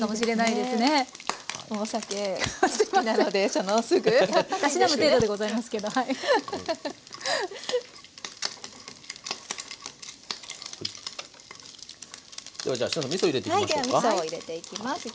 ではじゃあみそ入れていきましょうか。